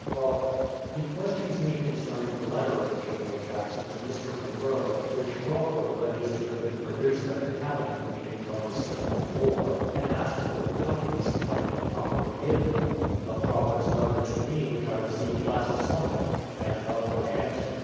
Crawford. He questions me concerning the letter of General Jackson to Mr. Monroe which Crawford alleges to have been produced at the Cabinet meetings on the Seminole War, and asks for copies, if I think proper to give them, of Crawford's letter to me which I received last summer, and of my answer.